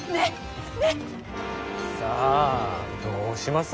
さあどうします？